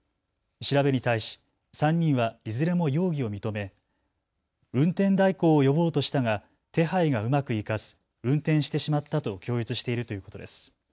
調べに対し３人はいずれも容疑を認め、運転代行を呼ぼうとしたが手配がうまくいかず運転してしまったと供述しているということです。